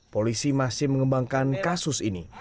polisi masih mengembangkan kasus ini